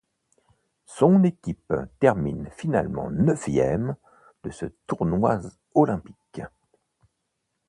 Son équipe termine finalement neuvième de ce tournoi olympique.